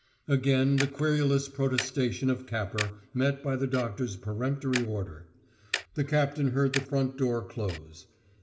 Again the querulous protestation of Capper, met by the doctor's peremptory order. The captain heard the front door close.